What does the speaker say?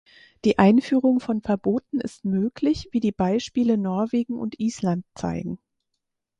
Die Einführung von Verboten ist möglich, wie die Beispiele Norwegen und Island zeigen.